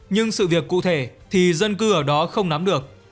nhưng sự việc cụ thể thì dân cư ở đó không nắm được